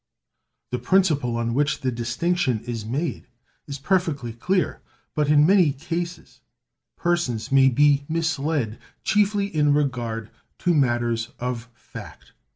The principle on which the distinction is made is perfectly clear, but in many cases persons may be misled chiefly in regard to matters of fact.